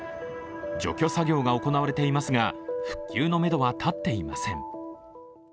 除去作業が行われていますが、復旧のめどは立っていません。